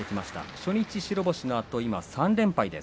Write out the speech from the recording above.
初日白星のあと今３連敗です。